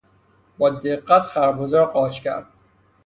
با دقت خربزه را قاچ کرد.